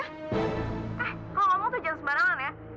eh kalo nggak mau tuh jangan sembarangan ya